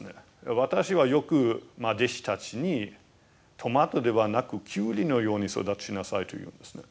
私はよく弟子たちにトマトではなくキュウリのように育ちなさいと言うんですね。